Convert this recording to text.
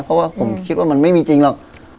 เพราะว่าผมคิดว่ามันไม่มีจริงหรอก